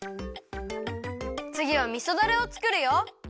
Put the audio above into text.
つぎはみそダレをつくるよ。